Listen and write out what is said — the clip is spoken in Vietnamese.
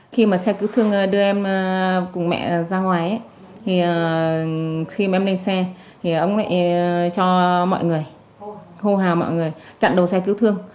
khi mà xe cứu thương đưa em cùng mẹ ra ngoài thì khi mà em lên xe thì ông lại cho mọi người hô hào mọi người chặn đầu xe cứu thương